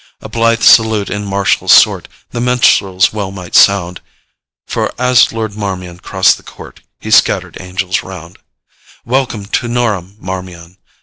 A blythe salute in martial sort The minstrels well might sound, For, as Lord Marmion crossed the court, He scattered angels round. Welcome to Norham, Marmion!